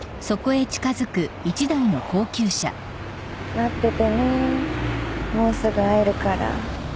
待っててねもうすぐ会えるから。